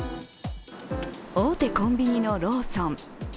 大手コンビニのローソン。